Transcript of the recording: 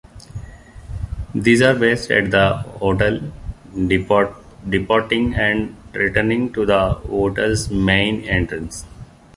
These are based at the hotel, departing and returning to the hotel's main entrance.